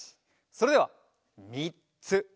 それではみっつ！